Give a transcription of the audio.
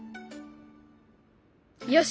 よし！